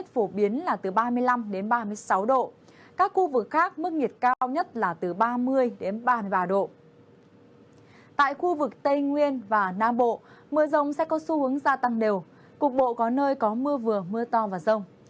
tại khu vực tây nguyên và nam bộ mưa rông sẽ có xu hướng gia tăng đều cục bộ có nơi có mưa vừa mưa to và rông